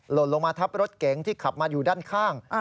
ลงมาทับรถเก๋งที่ขับมาอยู่ด้านข้าง